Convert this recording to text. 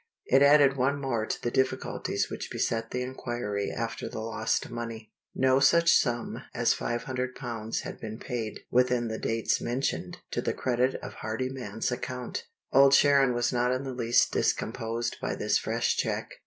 It added one more to the difficulties which beset the inquiry after the lost money. No such sum as five hundred pounds had been paid, within the dates mentioned, to the credit of Hardyman's account. Old Sharon was not in the least discomposed by this fresh check.